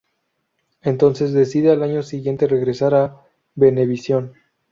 Entonces, decide al año siguiente regresar a Venevisión.